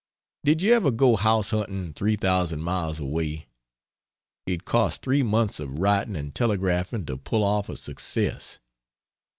Did you ever go house hunting 3,000 miles away? It costs three months of writing and telegraphing to pull off a success.